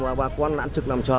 bây giờ bà con đã trực làm cho